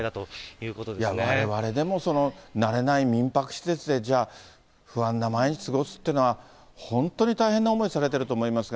いや、われわれでも慣れない民泊施設で、じゃあ、不安な毎日を過ごすっていうのは、本当に大変な思いされてると思いますが。